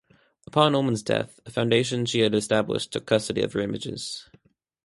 Upon Ulmann's death, a foundation she had established took custody of her images.